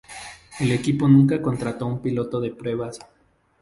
El equipo nunca contrato a un piloto de pruebas.